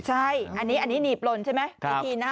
ใช่อันนี้หนีบหล่นใช่ไหม